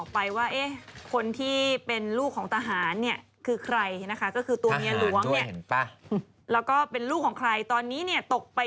แล้วทีนี้ดารา